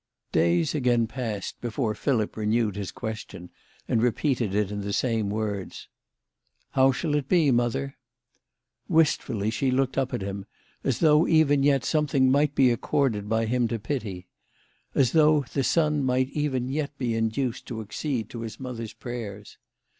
Days again passed before Philip renewed his ques tion, and repeated it in the same words :" How shall it be, mother ?" Wistfully she looked up at him, as though even yet something might be accorded by him to pity ; as though the son might even yet be induced THE LADY OF LATIN AY. 181 to accede to his mother's prayers.